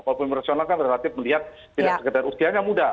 walaupun rasional kan relatif melihat tidak sekedar usianya muda